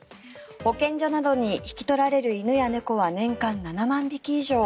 保健所などに引き取られる犬や猫は年間７万匹以上。